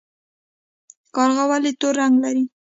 کارغه ولې تور رنګ لري؟